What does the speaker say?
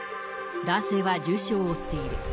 男性は重傷を負っている。